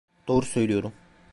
Doğru söylüyorum.